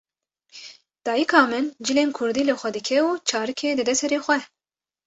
Dayîka min cilên kurdî li xwe dike û çarikê dide sere xwe.